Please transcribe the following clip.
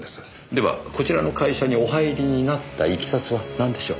ではこちらの会社にお入りになったいきさつはなんでしょう？